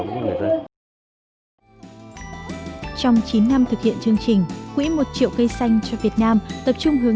vút ve cầm vút ve